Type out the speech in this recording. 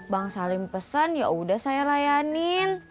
bang salim pesen yaudah saya rayanin